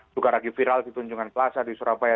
juga lagi viral di tunjungan plaza di surabaya